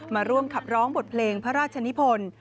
มาร่วมขับร้องบทเพลงพระราชนิพล